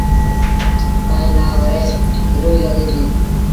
ائيٚݩ نا وري ايٚڏوئيٚ لڳي ديٚ۔